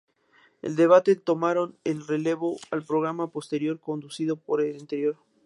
El debate" tomaron el relevo al programa posterior conducido anteriormente por Ballester.